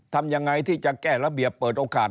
ทำยังไงที่จะแก้ระเบียบเปิดโอกาส